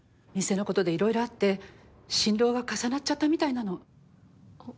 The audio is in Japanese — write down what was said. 店の事でいろいろあって心労が重なっちゃったみたいなの。